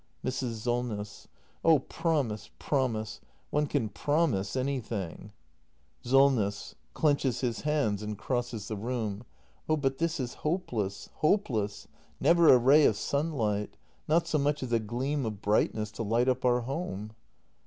Mrs. Solness. Oh, promise, promise! One can promise anything. act ii] THE MASTER BUILDER 327 SOLNESS. [Clenches his hands and crosses the room.] Oh, but this is hopeless, hopeless! Never a ray of sunlight! Not so much as a gleam of brightness to light up our home!